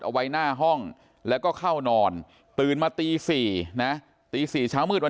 เอาไว้หน้าห้องแล้วก็เข้านอนตื่นมาตี๔นะตี๔เช้ามืดวัน